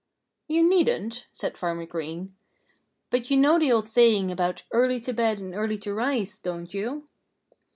"You needn't," said Farmer Green. "But you know the old saying about 'early to bed and early to rise,' don't you?"